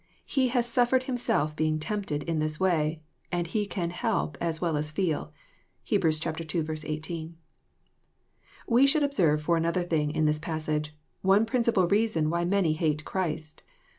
He '^ has suffered Himself being tempted" in this way, and He can help as well as feel. (Heb. ii. 18.) We should observe, for another thing, in this passage, one principal reason why many hate Christ.